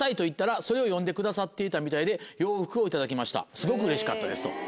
「すごくうれしかったです」と。